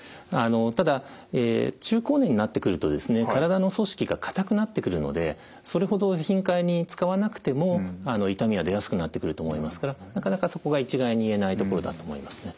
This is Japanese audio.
ただ中高年になってくると体の組織が硬くなってくるのでそれほど頻回に使わなくても痛みは出やすくなってくると思いますからなかなかそこが一概に言えないところだと思いますね。